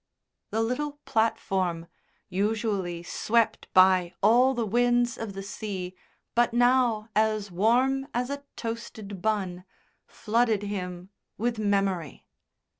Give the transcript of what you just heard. The little platform usually swept by all the winds of the sea, but now as warm as a toasted bun flooded him with memory.